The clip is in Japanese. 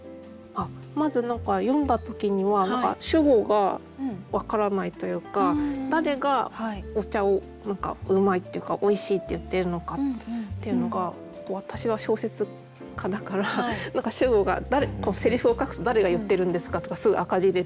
まず何か読んだ時には何か主語がわからないというか誰がお茶を何かうまいっていうかおいしいって言っているのかっていうのが私は小説家だから何か主語が誰こうせりふを書くと「誰が言ってるんですか？」とかすぐ赤字入れられるから。